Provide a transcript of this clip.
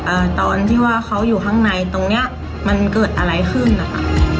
อ่าตอนที่ว่าเขาอยู่ข้างในตรงเนี้ยมันเกิดอะไรขึ้นนะคะ